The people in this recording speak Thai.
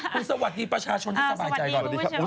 คุณสวัสดีประชาชนที่สบายใจก่อนนะครับสวัสดีคุณผู้ชม